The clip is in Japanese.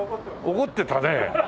怒ってたね。